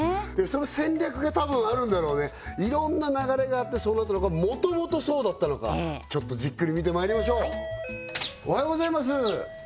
その戦略が多分あるんだろうねいろんな流れがあってそうなったのかもともとそうだったのかちょっとじっくり見てまいりましょうおはようございますあっＫＯＯさん